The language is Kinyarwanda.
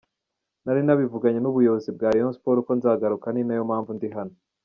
Nari nabivuganye n’ubuyobozi bwa Rayon Sports ko nzagaruka ni nayo mpamvu ndi hano.